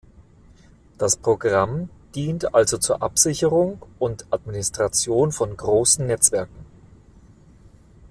Das Programm dient also zur Absicherung und Administration von großen Netzwerken.